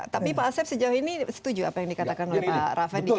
tapi pak asep sejauh ini setuju apa yang dikatakan oleh pak raffendi